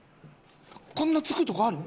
こんな付くとこある？